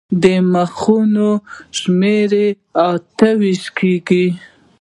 د مخونو شمېره یې اته ویشت کېږي.